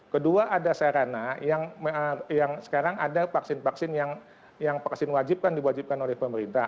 kedua ada sarana yang sekarang ada vaksin vaksin yang vaksin wajib kan diwajibkan oleh pemerintah